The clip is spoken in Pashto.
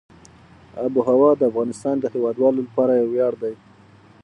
آب وهوا د افغانستان د هیوادوالو لپاره یو ویاړ دی.